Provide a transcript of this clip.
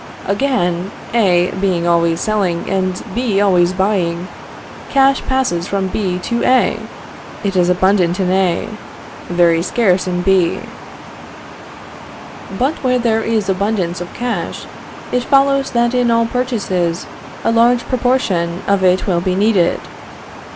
Again: A being always selling and B always buying, cash passes from B to A. It is abundant in A very scarce in B. But where there is abundance of cash, it follows that in all purchases a large proportion of it will be needed.